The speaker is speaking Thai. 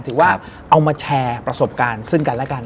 ถือว่าเอามาแชร์ประสบการณ์ซึ่งกันแล้วกัน